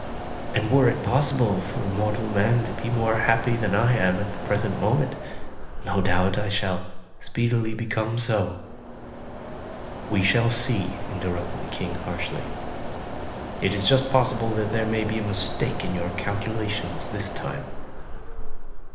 And were it possible for mortal man to be more happy than I am at the present moment, no doubt I shall speedily become so." "We shall see," interrupted the King, harshly; "it is just possible that there may be a mistake in your calculations this time."